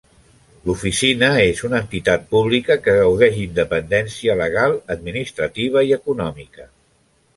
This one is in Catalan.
L'Oficina és una entitat pública que gaudeix d'independència legal, administrativa i econòmica.